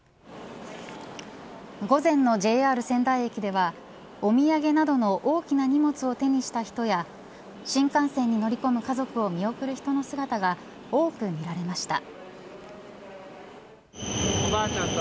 午前のＪＲ仙台駅ではおみやげなどの大きな荷物を手にした人たちや新幹線に乗り込む家族を見送る人の姿が多く見られました。